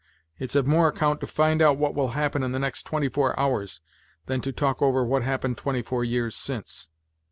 It's of more account to find out what will happen in the next twenty four hours than to talk over what happened twenty four years since."